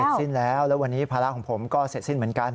สิ้นแล้วแล้ววันนี้ภาระของผมก็เสร็จสิ้นเหมือนกัน